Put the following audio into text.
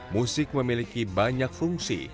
musik memiliki banyak fungsi